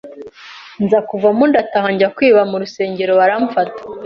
Nza kuvamo ndataha njya kwiba mu rusengero baramfata